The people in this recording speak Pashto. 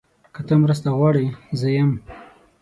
که ته مرسته غواړې، زه یم.